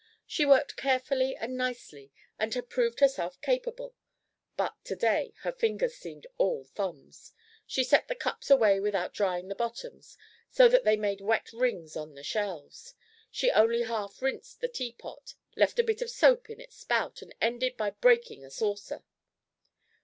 She worked carefully and nicely, and had proved herself capable, but to day her fingers seemed all thumbs. She set the cups away without drying the bottoms, so that they made wet rings on the shelves; she only half rinsed the teapot, left a bit of soap in its spout, and ended by breaking a saucer.